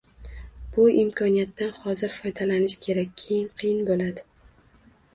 Bu imkoniyatdan hozir foydalanish kerak, keyin qiyin bo‘ladi.